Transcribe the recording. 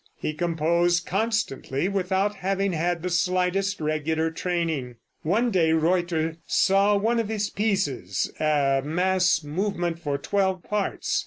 He composed constantly, without having had the slightest regular training. One day Reutter saw one of his pieces, a mass movement for twelve parts.